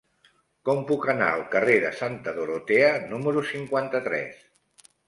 Com puc anar al carrer de Santa Dorotea número cinquanta-tres?